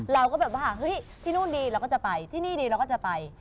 เราก็แบบว่าเฮ้ยที่นู่นดีเราก็จะไปที่นี่ดีเราก็จะไป